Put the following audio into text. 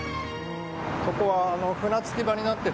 ここは船着き場になってい